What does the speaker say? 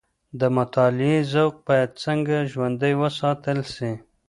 د مطالعې ذوق باید څنګه ژوندی وساتل سي؟